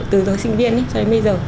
từ thời sinh viên ấy cho đến bây giờ